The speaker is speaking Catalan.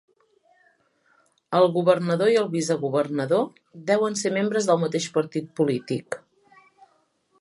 El governador i el vicegovernador deuen ser membres de el mateix partit polític.